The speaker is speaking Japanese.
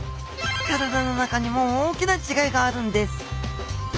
体の中にも大きな違いがあるんです